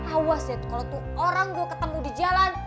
awas ya kalau tuh orang gue ketemu di jalan